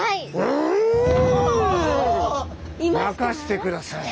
任してください！